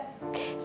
terima kasih mbak